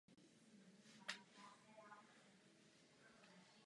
Zastávala i funkce v celostátní komunistické straně.